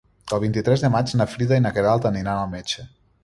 El vint-i-tres de maig na Frida i na Queralt aniran al metge.